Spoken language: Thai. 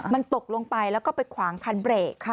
มันตกลงไปแล้วก็ไปขวางคันเบรก